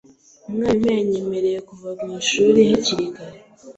Umwarimu yanyemereye kuva mu ishuri hakiri kare .